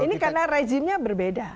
ini karena rezimnya berbeda